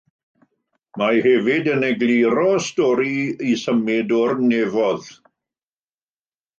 Mae hefyd yn egluro stori ei symud o'r nefoedd.